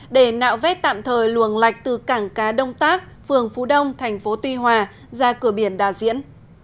để nạo vét tạm thời luồng lạch từ cảng cá đông tác phường phú đông thành phố tuy hòa ra cửa biển đà diễn